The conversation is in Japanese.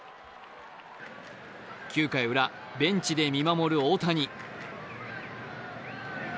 ９回ウラ、ベンチで見守る大谷。